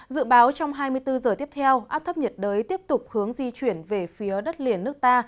dự báo trong hai mươi bốn giờ tiếp theo áp thấp nhiệt đới tiếp tục hướng di chuyển về phía đất liền nước ta